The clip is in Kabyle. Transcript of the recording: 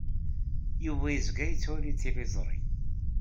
Yuba yezga yettwali tiliẓri.